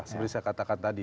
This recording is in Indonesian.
seperti saya katakan tadi